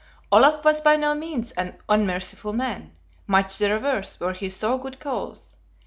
Olaf was by no means an unmerciful man, much the reverse where he saw good cause.